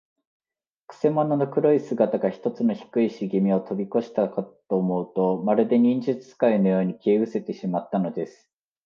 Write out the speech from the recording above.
くせ者の黒い姿が、ひとつの低いしげみをとびこしたかと思うと、まるで、忍術使いのように、消えうせてしまったのです。